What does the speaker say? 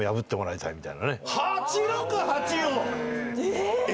８６８を⁉え！